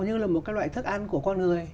như là một cái loại thức ăn của con người